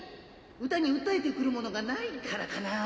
歌にうったえてくるものがないからかなあ。